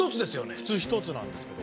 普通１つなんですけど。